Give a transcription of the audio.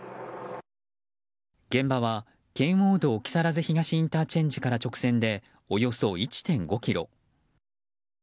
現場は圏央道木更津東ＩＣから直線でおよそ１．５ｋｍ。